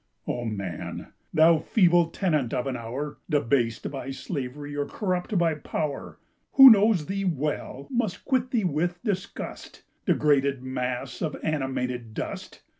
Oh, man! thou feeble tenant of an hour, Debased by slavery or corrupt by power, Who knows thee well must quit thee with disgust, Degraded mass of animated dust!